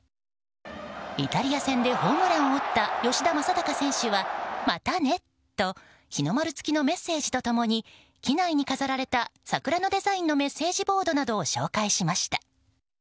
イタリア戦でホームランを打った吉田正尚選手は「またね」と日の丸付きのメッセージと共に機内に飾られた桜のデザインのメッセージボードなどを紹介しました。